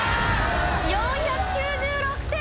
４９６点！